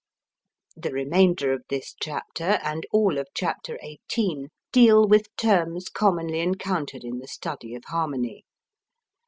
(The remainder of this chapter and all of Chapter XVIII deal with terms commonly encountered in the study of harmony.